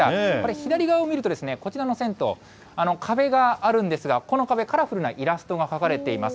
左側を見ると、こちらの銭湯、壁があるんですが、この壁、カラフルなイラストが描かれています。